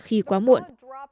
khi quá muộn